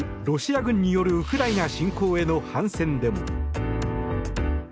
ロシア軍によるウクライナ侵攻への反戦デモ。